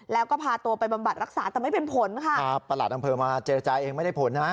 แล้วก็พาตัวไปบำบัดรักษาแต่ไม่เป็นผลค่ะครับประหลัดอำเภอมาเจรจาเองไม่ได้ผลนะ